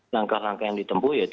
langkah langkah yang ditempuh yaitu